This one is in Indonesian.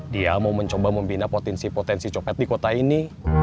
dia mau mencoba membina potensi potensi copet di kota ini